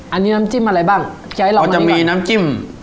อันนี้น้ำจิ้มอะไรบ้างพี่ยัยลองอันนี้ก่อนอ๋อจะมีน้ำจิ้ม